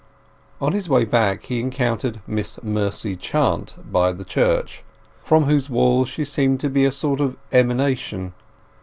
On his way back he encountered Miss Mercy Chant by the church, from whose walls she seemed to be a sort of emanation.